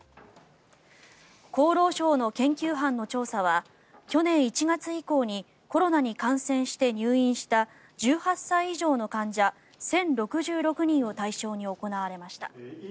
厚労省の研究班の調査は去年１月以降にコロナに感染して入院した１８歳以上の患者１０６６人を対象に行われました。